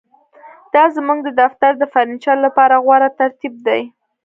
دا زموږ د دفتر د فرنیچر لپاره غوره ترتیب دی